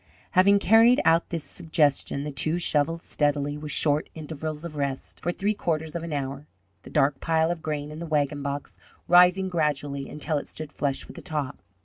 Having carried out this suggestion, the two shovelled steadily, with short intervals of rest, for three quarters of an hour, the dark pile of grain in the wagon box rising gradually until it stood flush with the top.